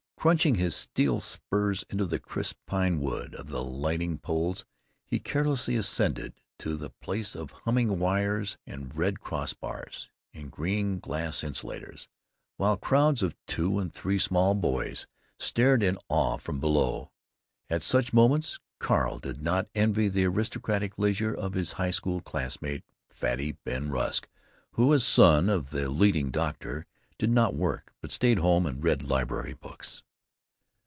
Crunching his steel spurs into the crisp pine wood of the lighting poles, he carelessly ascended to the place of humming wires and red cross bars and green glass insulators, while crowds of two and three small boys stared in awe from below. At such moments Carl did not envy the aristocratic leisure of his high school classmate, Fatty Ben Rusk, who, as son of the leading doctor, did not work, but stayed home and read library books.